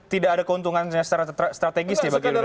tidak ada keuntungannya strategis dibagi indonesia